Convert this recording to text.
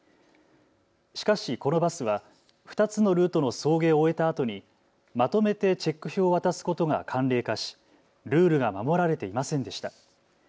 しかしこのバスは２つのルートの送迎を終えたあとにまとめてチェック表を渡すことが慣例化しルールが守られていませんでした。